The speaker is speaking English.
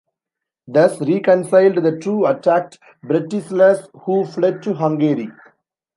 Thus reconciled, the two attacked Bretislaus, who fled to Hungary.